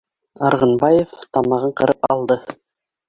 Арғынбаев тамағын ҡырып алды: